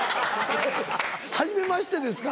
はじめましてですか？